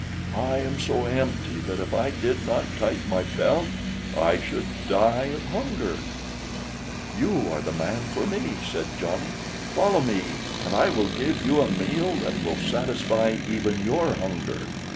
I am so empty that if I did not tighten my belt I should die of hunger." "You are the man for me!" said Johnny. "Follow me, and I will give you a meal that will satisfy even your hunger."